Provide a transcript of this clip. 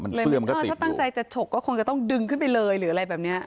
มันเสื้อมันก็ติดอยู่ถ้าตั้งใจจะฉกก็คงจะต้องดึงขึ้นไปเลยหรืออะไรแบบเนี้ย